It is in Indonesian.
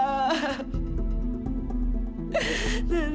alia udah rancang